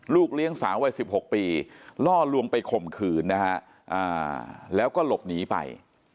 เลี้ยงสาววัย๑๖ปีล่อลวงไปข่มขืนนะฮะแล้วก็หลบหนีไป